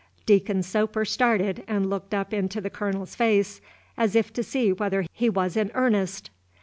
Deacon Soper started and looked up into the Colonel's face, as if to see whether he was in earnest.